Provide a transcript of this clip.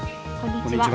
こんにちは。